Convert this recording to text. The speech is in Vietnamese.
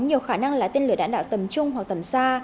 nhiều khả năng là tiên lửa đạn đạo tầm chung hoặc tầm xa